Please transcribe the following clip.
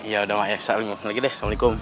ya udah maya assalamualaikum